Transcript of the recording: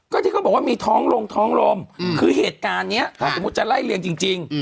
ก็ที่เขาบอกว่ามีท้องลงท้องลมคือเหตุการณ์เนี้ยคือมุจจันทร์ไล่เรียงจริงจริง